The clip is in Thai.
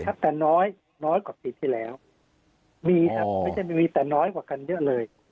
แต่น้อยน้อยกว่าปีที่แล้วมีครับไม่ใช่มีแต่น้อยกว่ากันเยอะเลย